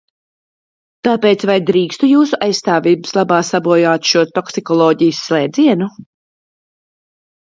Tāpēc vai drīkstu jūsu aizstāvības labā sabojāt šo toksikoloģijas slēdzienu?